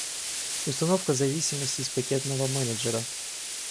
Установка зависимостей из пакетного менеджера